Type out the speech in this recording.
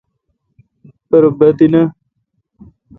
پر بہ تینہ۔